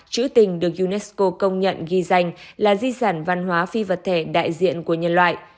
chữ tình được unesco công nhận ghi danh là di sản văn hóa phi vật thể đại diện của nhân loại